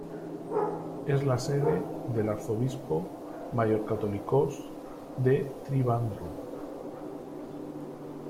Es la sede del arzobispo mayor-Catholicós de Trivandrum.